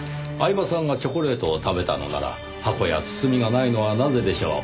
饗庭さんがチョコレートを食べたのなら箱や包みがないのはなぜでしょう？